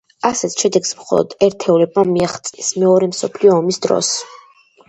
ასეთ შედეგს მხოლოდ ერთეულებმა მიაღწიეს მეორე მსოფლიო ომის დროს.